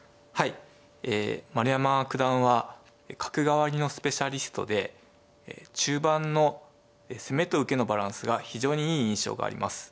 丸山九段は角換わりのスペシャリストで中盤の攻めと受けのバランスが非常にいい印象があります。